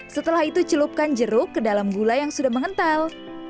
setelah itu celupkan jeruk ke dalam gula yang sudah mengental